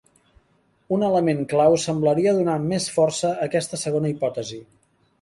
Un element clau semblaria donar més força a aquesta segona hipòtesi.